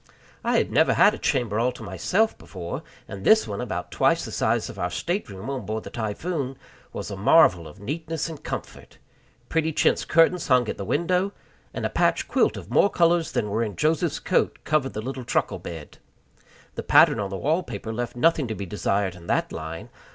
I had never had a chamber all to myself before, and this one, about twice the size of our state room on board the Typhoon, was a marvel of neatness and comfort. Pretty chintz curtains hung at the window, and a patch quilt of more colors than were in Joseph's coat covered the little truckle bed. The pattern of the wall paper left nothing to be desired in that line.